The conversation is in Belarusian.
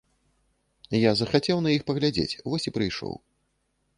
Я захацеў на іх паглядзець, вось і прыйшоў.